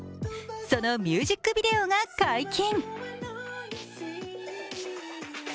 そのミュージックビデオが解禁。